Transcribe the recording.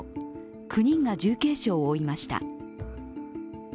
９人が重軽傷を負いました。